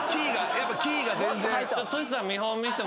やっぱキーが全然。